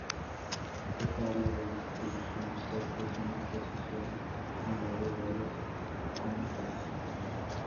Esta área de distribución está estrechamente asociada con la de varias coníferas.